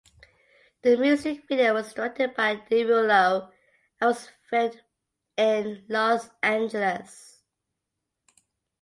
The music video was directed by Derulo and was filmed in Los Angeles.